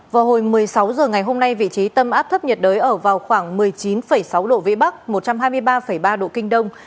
vào hồi một mươi sáu h ngày hôm nay vị trí tâm áp thấp nhiệt đới ở vào khoảng một mươi chín sáu độ vĩ bắc một trăm hai mươi ba ba độ kinh đông